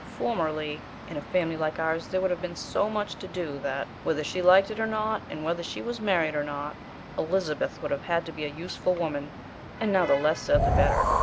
Formerly in a family like ours there would have been so much to do that, whether she liked it or not, and whether she had married or not, Elizabeth would have had to be a useful woman and now the less said the better.